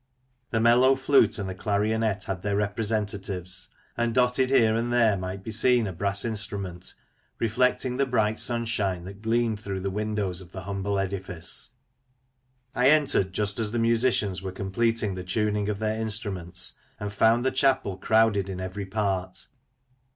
The mellow flute and the clarionet had their representatives ; and, dotted here and there, might be seen a brass instrument, reflecting the bright sunshine that gleamed through the windows of the humble edifice. I entered just as the musicians were completing the tuning of their instruments, and found the chapel crowded in every part.